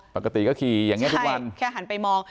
ปกติก็ขี่อย่างนี้ทุกวันแค่หันไปมอง